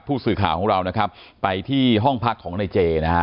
ผู้สื่อข่าวของเรานะครับไปที่ห้องพักของในเจนะฮะ